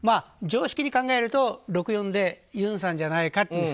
常識的に考えると６対４でユンさんじゃないか。